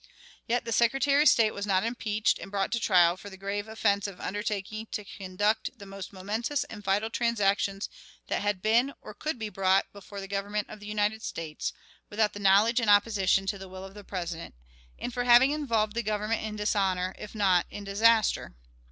Yet the Secretary of State was not impeached and brought to trial for the grave offense of undertaking to conduct the most momentous and vital transactions that had been or could be brought before the Government of the United States, without the knowledge and in opposition to the will of the President, and for having involved the Government in dishonor, if not in disaster.